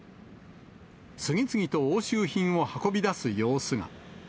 次々と押収品を運び出す様子が。